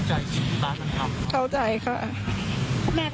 ถ้าเขาไม่สู้อะคะ